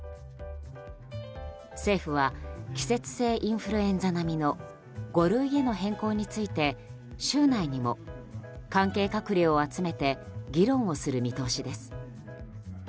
政府は季節性インフルエンザ並みの五類への変更について週内にも関係閣僚を集めて議論をする見通しです。